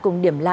cùng điểm lưu ý